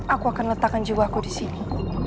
aku akan letakkan jiwaku disini